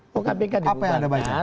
mau kpk dibuka kan apa yang ada banyak